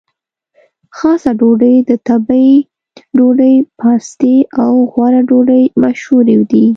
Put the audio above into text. خاصه ډوډۍ، د تبۍ ډوډۍ، پاستي او غوړه ډوډۍ مشهورې دي.